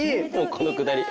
このくだり！